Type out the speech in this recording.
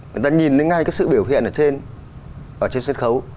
người ta nhìn thấy ngay cái sự biểu hiện ở trên ở trên sân khấu